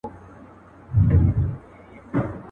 زر کلونه څه مستی څه خمار یووړل.